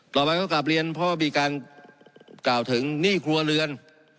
ต่อไปก็กลับเรียนเพราะว่ามีการกล่าวถึงหนี้ครัวเรือน